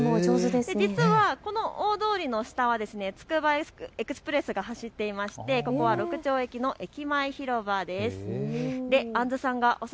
実はこの大通りの下はつくばエクスプレスが走っていまして、ここは六町駅の駅前広場なんです。